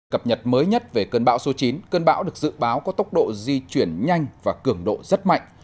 cập nhật mới nhất về cơn bão số chín cơn bão được dự báo có tốc độ di chuyển nhanh và cường độ rất mạnh